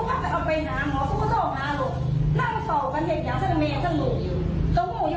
ต้องดูผมที่เขาจ้างตายเนี่ย